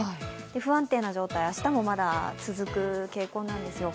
不安定な状態、明日もまだ続く傾向なんですよ。